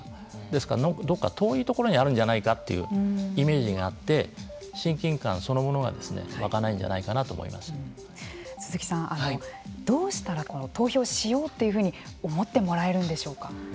ですから、どこか遠いところにあるんじゃないかというイメージがあって親近感そのものが湧かないんじゃないかなと鈴木さん、どうしたら投票しようというふうに思ってもらえるんでしょうか。